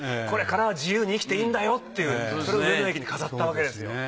これからは自由に生きていいんだよっていうそれを上野駅に飾ったわけですよ。